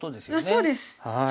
そうです！